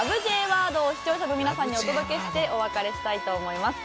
Ｊワードを視聴者の皆さんにお届けしてお別れしたいと思います。